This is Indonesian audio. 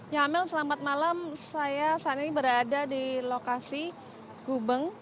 ya amel selamat malam saya saat ini berada di lokasi gubeng